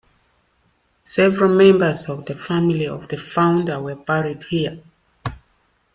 Several members of the family of the founder were buried here.